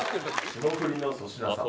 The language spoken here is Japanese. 霜降りの粗品さん。